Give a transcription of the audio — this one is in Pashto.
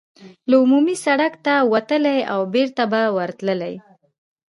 له عمومي سړک ته وتلای او بېرته به ورتللای.